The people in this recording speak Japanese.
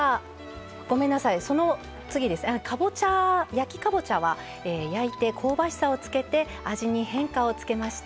焼きかぼちゃは焼いて、香ばしさをつけて味に変化をつけました。